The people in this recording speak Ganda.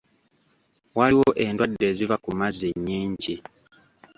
Waliwo endwadde eziva ku mazzi nnyingi.